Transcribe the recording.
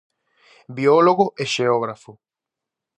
Biólogo e xeógrafo.